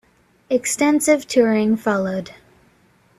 Extensive touring followed.